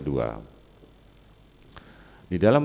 hai di dalam